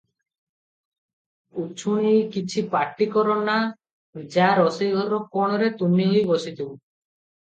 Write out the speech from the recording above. ଉଛୁଣି କିଛି ପାଟି କର ନା – ଯା, ରୋଷେଇଘର କୋଣରେ ତୁନି ହୋଇ ବସିଥିବୁ ।”